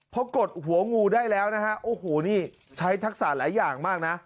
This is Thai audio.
พอกดหัวงูได้แล้วนะฮะโอ้โหนี่ใช้ทักษะหลายอย่างมากนะ